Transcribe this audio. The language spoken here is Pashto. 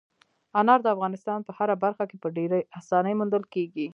انار د افغانستان په هره برخه کې په ډېرې اسانۍ موندل کېږي.